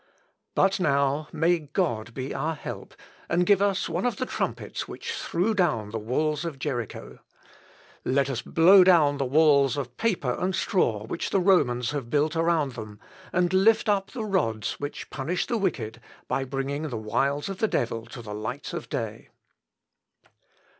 But now may God be our help, and give us one of the trumpets which threw down the walls of Jericho. Let us blow down the walls of paper and straw which the Romans have built around them, and lift up the rods which punish the wicked, by bringing the wiles of the devil to the light of day."